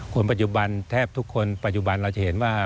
คนปัจจุบันแทบทุกคนปัจจุบันเราจะเห็นว่า